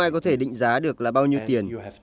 bạn không thể định giá được là bao nhiêu tiền